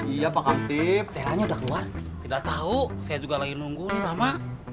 iya pakam tim telanya udah keluar tidak tahu saya juga lagi nunggu sama